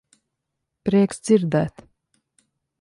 Prieks dzirdēt.